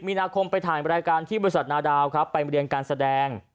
มีนาคมไปถ่ายรายการที่บริษัทนาดาวครับไปเรียนการแสดง